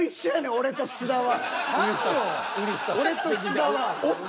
俺と菅田は。